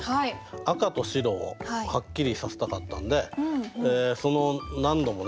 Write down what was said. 赤と白をはっきりさせたかったんで何度もね